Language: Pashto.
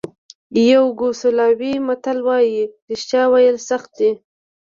یوګوسلاویې متل وایي رښتیا ویل سخت دي.